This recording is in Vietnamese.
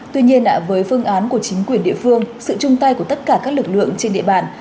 tuy nhiên với phương án của chính quyền địa phương sự chung tay của tất cả các lực lượng trên địa bàn